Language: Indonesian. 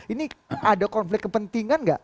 ini ada konflik kepentingan nggak